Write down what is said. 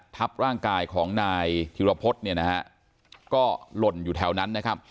ทับร่างกายของนายธิรพฤษเนี่ยนะฮะก็หล่นอยู่แถวนั้นนะครับ